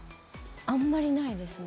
あまりないですね。